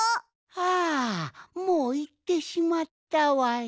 あもういってしまったわい。